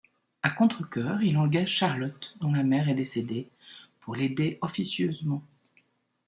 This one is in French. À contrecœur il engage Charlotte, dont la mère est décédée, pour l’aider officieusement.